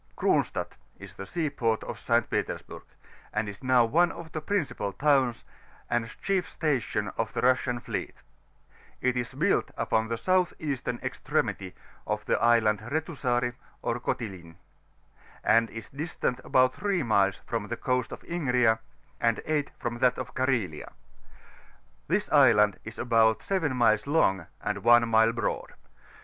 C&0H8TAOT is the sea port of St. Petersburg, and is now one of die principal towns, and chief station of the Russian fleet; it is built upon the soudi eastem extremi^ of the Island Betusari, or Kotlin, and is^ distant about 3 miles from the Coast of Ligria, and S from that of Carhelia: this iidand is about 7 miles long, and one mile broad.